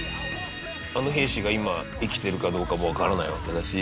あの兵士が今生きてるかどうかもわからないわけだし。